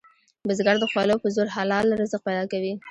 بزګر د خولو په زور حلال رزق پیدا کوي